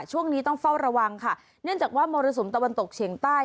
ช่วงนี้ต้องเฝ้าระวังค่ะเนื่องจากว่ามรสุมตะวันตกเฉียงใต้